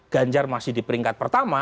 ganjar masih di peringkat pertama